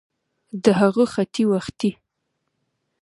د هغه ختې وختې